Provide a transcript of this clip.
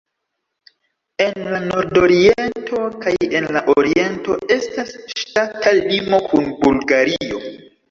En la nordoriento kaj en la oriento estas ŝtata limo kun Bulgario.